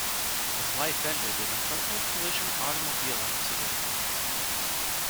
His life ended in a frontal collision automobile accident.